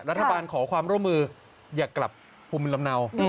รัฐบาลขอความร่วมมืออย่ากลับภูมิลำเนา